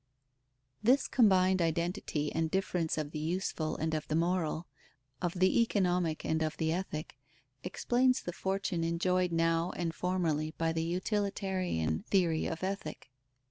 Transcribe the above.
_ This combined identity and difference of the useful and of the moral, of the economic and of the ethic, explains the fortune enjoyed now and formerly by the utilitarian theory of Ethic.